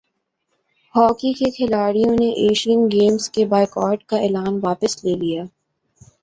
hockey کےکھلاڑیوں نے Asian games کے بائیکاٹ کا اعلان واپس لے لیا